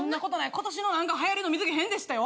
今年のなんか流行りの水着変でしたよ。